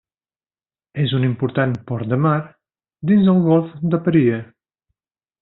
És un important port de mar dins el Golf de Paria.